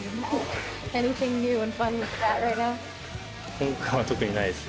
今回は特にないです。